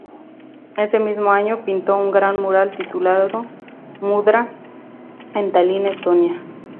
Ese mismo año pintó un gran mural titulado ""Mudra"" en Tallin, Estonia.